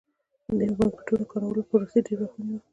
د نویو بانکنوټونو کارولو پروسې ډېر وخت ونیو.